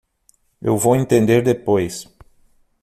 Eu vou entender depois